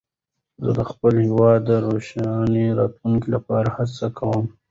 زه د خپل هېواد د روښانه راتلونکي لپاره هڅه کوم.